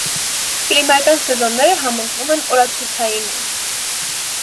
Կլիմայական սեզոնները համընկնում են օրացուցայինին։